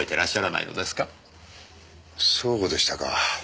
そうでしたか。